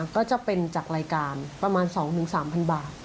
ก็จะเป็นจากรายการประมาณ๒๓๐๐บาท